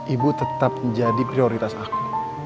ibu tetap menjadi prioritas aku